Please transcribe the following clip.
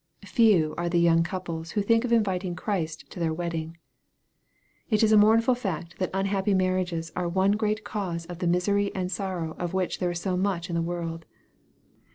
Few are the young couples who think of inviting Christ to their wedding ! It is a mournful fact that unhappy marriages are one great cause of the misery and sorrow of which there is so much in the world.